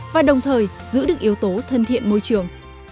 và đồng thời giữ được yếu tố thân thiện môi trường